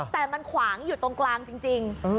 แต่มันขวางอยู่ตรงกลางจริง